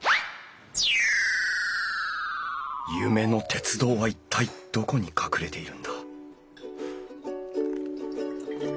夢の鉄道は一体どこに隠れているんだ！